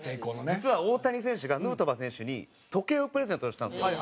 実は大谷選手がヌートバー選手に時計をプレゼントしたんですよ。